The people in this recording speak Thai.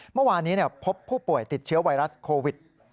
เมื่อวานนี้พบผู้ป่วยติดเชื้อไวรัสโควิด